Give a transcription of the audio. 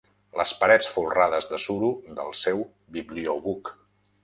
Les parets folrades de suro del seu bibliobuc.